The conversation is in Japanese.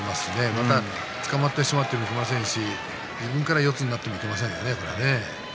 また、つかまってしまってもいけませんし自分から四つになってもいけませんよね。